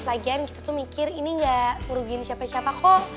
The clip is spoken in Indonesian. lagian kita tuh mikir ini gak urugin siapa siapa kok